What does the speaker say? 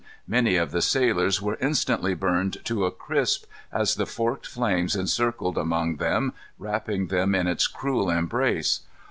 Many of the sailors were instantly burned to a crisp as the forked flames encircled among them, wrapping them in its cruel embrace.